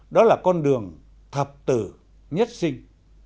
đó là con đường thập tử nhất sinh